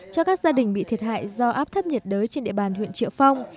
cho các gia đình bị thiệt hại do áp thấp nhiệt đới trên địa bàn huyện triệu phong